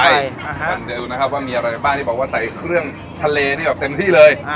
กันเร็วนะครับว่ามีอะไรบ้างที่บอกว่าใส่เครื่องทะเลนี่แบบเต็มที่เลย